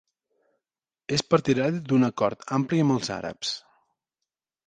És partidari d'un acord ampli amb els àrabs.